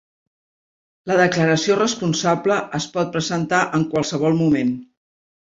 La declaració responsable es pot presentar en qualsevol moment.